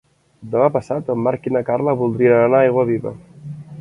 Demà passat en Marc i na Carla voldrien anar a Aiguaviva.